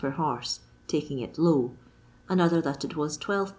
per horse ("taking it low"), another that it was 12 lbs.